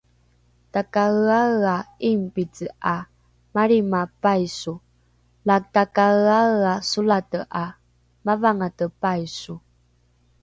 takaeaea ’ingpice ’a malrima paiso la takaeaea solate ’a mavangate paiso